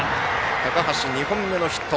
高橋、２本目のヒット。